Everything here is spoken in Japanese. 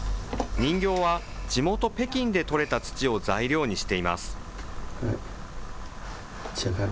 人形は地元北京で取れた土を材料にしています。